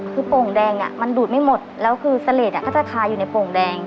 คือโป่งแดงมันดูดไม่หมดแล้วคือเสลดก็จะคาอยู่ในโป่งแดง